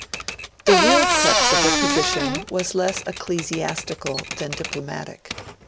The real crux of the position was less ecclesiastical than diplomatic.